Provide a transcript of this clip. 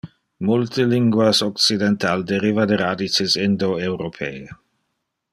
Multe linguas occidental deriva ad radices indian-europee